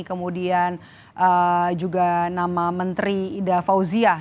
kemudian juga nama menteri ida fauziah